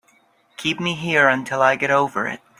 Keep me here until I get over it.